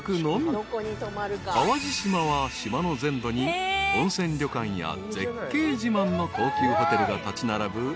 ［淡路島は島の全土に温泉旅館や絶景自慢の高級ホテルが立ち並ぶ